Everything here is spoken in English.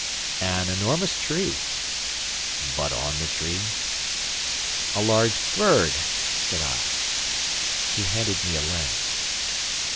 "An enormous tree." "But on the tree?" "A large bird," said I. He handed me a lens.